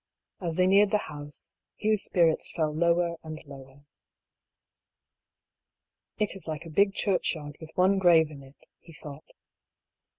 As they neared the house, Hugh's spirits fell lower and lower. " It is like a big churchyard with one grave in it," he thought.